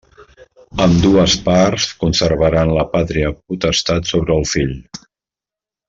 Ambdues parts conservaran la pàtria potestat sobre el fill.